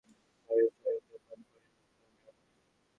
অল্পকিছু dollar ভাঙিয়ে রাস্তার ধারের সারি সারি দোকান পর্যবেক্ষণে বের হই।